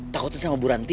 takut sama buranti